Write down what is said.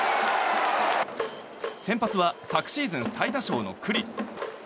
先発は昨シーズン最多勝の九里。